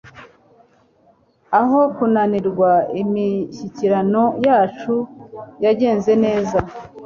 Aho kunanirwa imishyikirano yacu yagenze neza